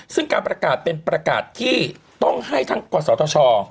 ซึ่งการประกาศเป็นประกาศที่ต้องให้ทั้งกศธช